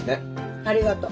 ありがと。